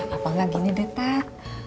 apa gak gini detak